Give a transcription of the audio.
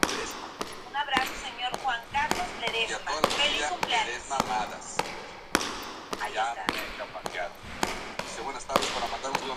Es uno de los pocos personajes de Kinnikuman que no llega a morir nunca.